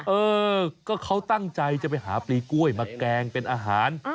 เออก็เขาตั้งใจจะไปหาปลีกล้วยมาแกงเป็นอาหาร